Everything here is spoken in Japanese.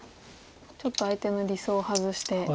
ちょっと相手の理想を外して。